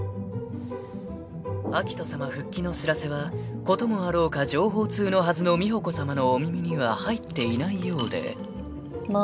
［明人さま復帰の知らせは事もあろうか情報通のはずの美保子さまのお耳には入っていないようで］